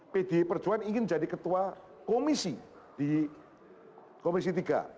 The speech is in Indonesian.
pdi perjuangan ingin jadi ketua komisi di komisi tiga